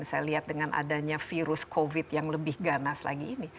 saya lihat dengan adanya virus covid yang lebih ganas lagi ini